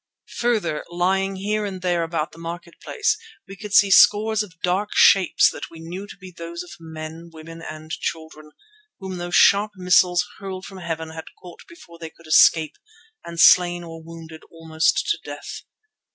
Further, lying here and there about the market place we could see scores of dark shapes that we knew to be those of men, women and children, whom those sharp missiles hurled from heaven had caught before they could escape and slain or wounded almost to death.